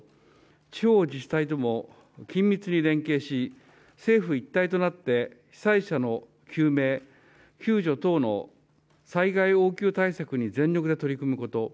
地方自治体とも緊密に連携し政府一体となって被災者の救命救助等、災害応急対策に全力で取り組むこと。